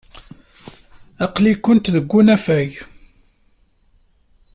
Aql-ikent deg unafag.